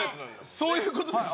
そういうことです。